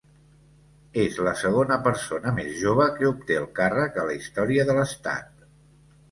És la segona persona més jove que obté el càrrec a la història de l'estat.